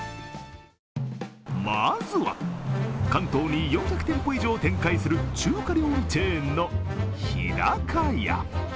まずは関東に４００店舗以上展開する中華料理チェーンの日高屋。